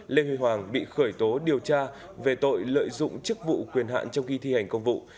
lê huy hoàng bị khởi tố điều tra về tội lợi dụng chức vụ quyền hạn trong khi thi hành công vụ